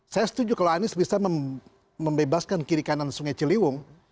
saya setuju kalau anies bisa membebaskan kiri kanan sungai ciliwung